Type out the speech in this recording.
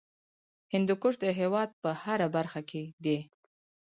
هندوکش د هېواد په هره برخه کې دی.